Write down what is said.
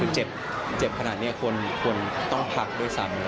เจ็บขนาดนี้ควรต้องพักด้วยซ้ำ